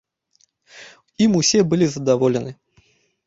Ім усе былі задаволены.